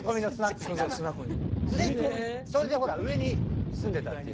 それでほらっ上に住んでたって言ってた。